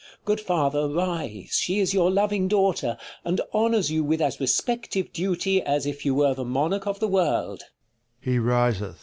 Good father, rise, she is your loving daughter, [He riseth. And honours you with as respective duty, As if you were the monarch of the world.